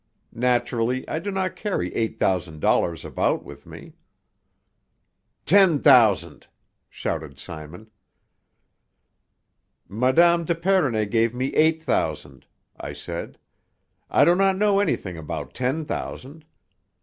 Naturally I do not carry eight thousand dollars about with me " "Ten thousand!" shouted Simon. "Mme. d'Epernay gave me eight thousand," I said. "I do not know anything about ten thousand.